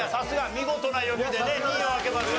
見事な読みでね２位を開けました。